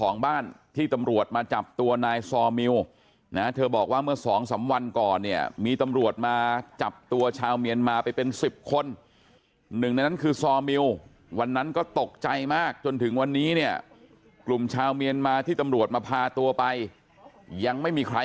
นำตัวมาสอบปากคำและยอมรับสารภาพนะคะ